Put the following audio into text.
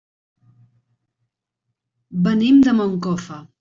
Venim de Moncofa.